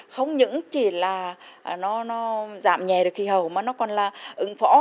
không những chỉ là nó giảm nhẹ được khí hậu mà nó còn là ứng phó